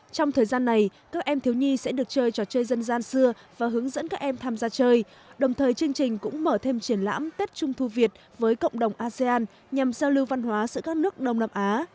trong thời gian này các em thiếu nhi sẽ được chơi trò chơi dân gian xưa và hướng dẫn các em tham gia chơi đồng thời chương trình cũng mở thêm triển lãm tết trung thu việt với cộng đồng asean nhằm giao lưu văn hóa giữa các nước đông nam á